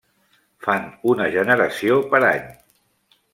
Fan una generació per any.